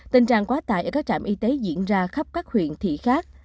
tình trạng quá tải ở các trạm y tế diễn ra khắp các huyện thị khác